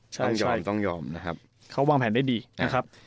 ต้องยอมต้องยอมนะครับเขาวางแผนได้ดีนะครับ